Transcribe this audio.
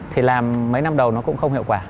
thì làm mấy năm đầu nó cũng không hiệu quả